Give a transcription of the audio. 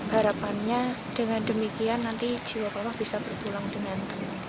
harapannya dengan demikian nanti jiwa bapak bisa berpulang dengan baik